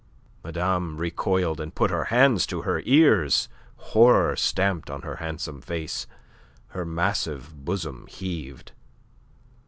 Madame recoiled, and put her hands to her ears, horror stamped on her handsome face. Her massive bosom heaved.